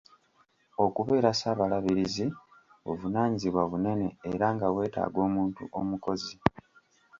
Okubeera Ssaabalabirizi buvunaanyizibwa bunene era nga bwetaaga omuntu omukozi.